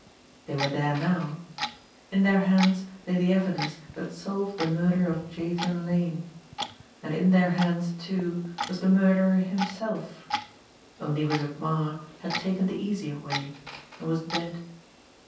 They were there now. In their hands lay the evidence that solved the murder of Jathan Lane; and in their hands, too, was the murderer himself only Wizard Marre had taken the easier way, and was dead.